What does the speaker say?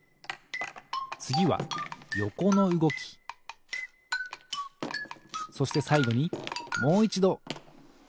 つぎはよこのうごきそしてさいごにもういちどたてのうごき。